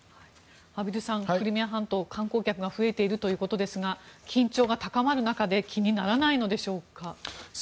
畔蒜さん、クリミア半島観光客が増えているということですが緊張が高まる中で気にならないのでしょうか。